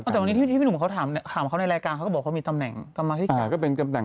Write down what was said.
ส่วนที่ยากเขาตำแหน่งอะไรถึงมาเรียกรองได้นะคะ